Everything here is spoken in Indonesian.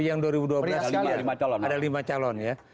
yang dua ribu dua belas ada lima calon ya